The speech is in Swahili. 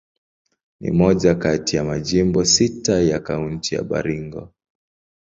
Ni moja kati ya majimbo sita ya Kaunti ya Baringo.